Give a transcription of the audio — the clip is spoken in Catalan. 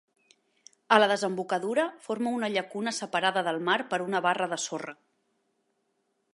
A la desembocadura forma una llacuna separada del mar per una barra de sorra.